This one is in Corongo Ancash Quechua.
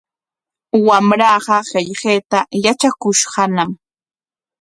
Wamraaqa qillqayta yatrakushqañam.